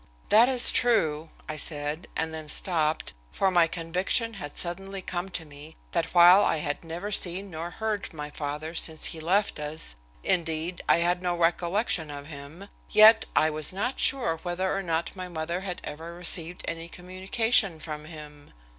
"That is true," I answered, and then stopped, for the conviction had suddenly come to me that while I had never seen nor heard from my father since he left us indeed, I had no recollection of him yet I was not sure whether or not my mother had ever received any communication from him.